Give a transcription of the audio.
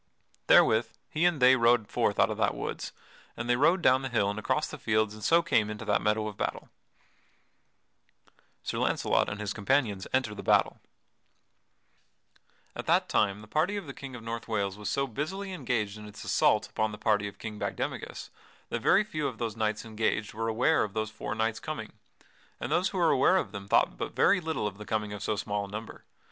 Therewith he and they rode forth out of that woods, and they rode down the hill and across the fields and so came into that meadow of battle. [Sidenote: Sir Launcelot and his companions enter the battle] At that time the party of the King of North Wales was so busily engaged in its assault upon the party of King Bagdemagus that very few of those knights engaged were aware of those four knights coming, and those who were aware of them thought but very little of the coming of so small a number.